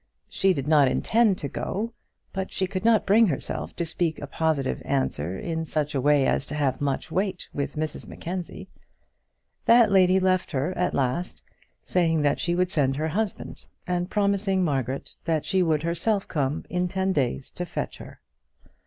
She did not intend to go, but she could not bring herself to speak a positive answer in such a way as to have much weight with Mrs Mackenzie. That lady left her at last, saying that she would send her husband, and promising Margaret that she would herself come in ten days to fetch her.